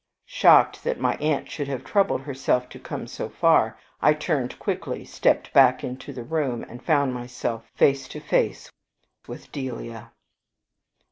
Shocked that my aunt should have troubled herself to come so far, I turned quickly, stepped back into the room, and found myself face to face with Delia.